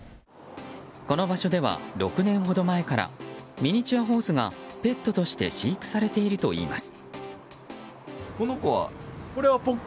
この場所では、６年ほど前からミニチュアホースがペットとして飼育されているといいます。